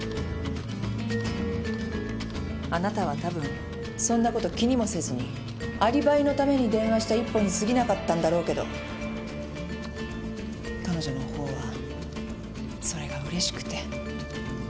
あなたは多分そんなこと気にもせずにアリバイのために電話した１本にすぎなかったんだろうけど彼女のほうはそれがうれしくて消せなかったみたいよ。